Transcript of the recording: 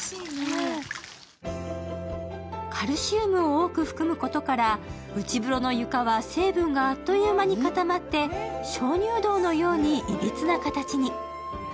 カルシウムを多く含むことから、内風呂の床は成分があっという間に固まって鍾乳洞のように、いびつな形に。